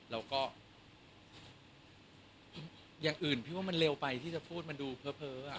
แล้วก็อย่างอื่นพี่ว่ามันเร็วไปที่จะพูดมันดูเพ้อ